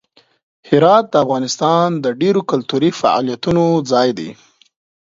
هرات د افغانستان د ډیرو کلتوري فعالیتونو ځای دی.